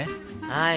はい！